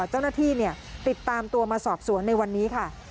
เจ้าหน้าที่ติดตามตัวมาสอบสวนในวันนี้ค่ะ